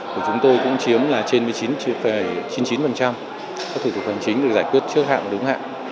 của chúng tôi cũng chiếm trên chín mươi chín chín mươi chín các thủ tục hành chính được giải quyết trước hạn và đúng hạn